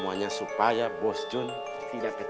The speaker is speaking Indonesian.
aku sudah selamat